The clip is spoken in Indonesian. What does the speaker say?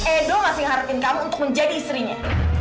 edo masih harapin kamu untuk menjadi istrinya